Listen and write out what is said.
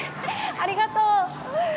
ありがとう。